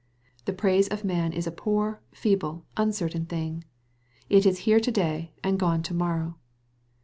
The praise of man is a poor, feeble, uncertain thing. It is here to day, and gone to morrow.